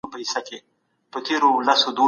څنګه کولای سو بهرنیو توکو ته د خلګو اړتیا کمه کړو؟